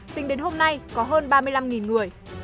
tính đến hôm nay có hơn ba mươi năm người